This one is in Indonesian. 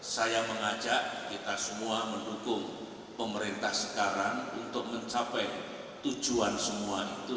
saya mengajak kita semua mendukung pemerintah sekarang untuk mencapai tujuan semua itu